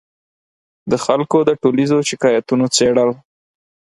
د خلکو د ټولیزو شکایتونو څېړل